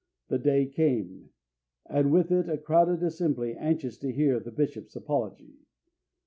The day came, and with it a crowded assembly anxious to hear the bishop's apology.